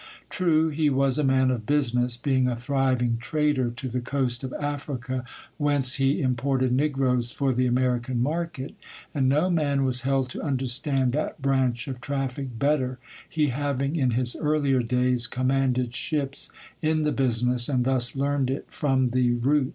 True, he was a man of business, being a thriving trader to the coast of Africa, whence he imported negroes for the American market; and no man was held to understand that branch of traffic better,—he having, in his earlier days, commanded ships in the business, and thus learned it from the root.